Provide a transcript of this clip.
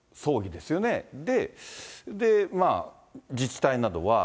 で、自治体などは。